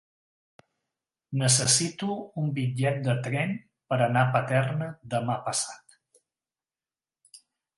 Necessito un bitllet de tren per anar a Paterna demà passat.